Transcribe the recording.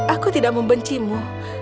aku tidak membencimu